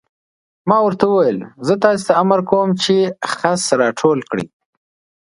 ما ورته وویل: زه تاسې ته امر کوم چې خس را ټول کړئ.